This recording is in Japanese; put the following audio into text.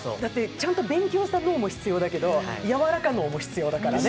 ちゃんと勉強した脳も必要だけど柔らか脳も必要だからね。